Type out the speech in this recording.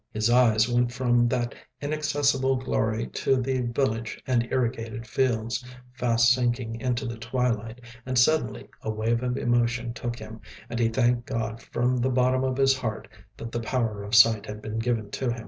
His eyes went from that inaccessible glory to the village and irrigated fields, fast sinking into the twilight, and suddenly a wave of emotion took him, and he thanked God from the bottom of his heart that the power of sight had been given him.